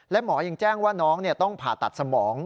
และหมอยังแจ้งว่าน้องต้องผ่าตัดสมอง